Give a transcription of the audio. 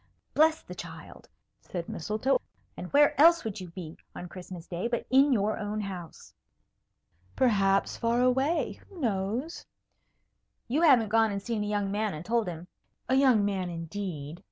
"Bless the child!" said Mistletoe. "And where else would you be on Christmas day but in your own house?" "Perhaps far away. Who knows?" "You haven't gone and seen a young man and told him " "A young man, indeed!"